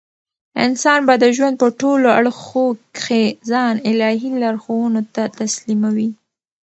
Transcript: انسان به د ژوند په ټولو اړخو کښي ځان الهي لارښوونو ته تسلیموي.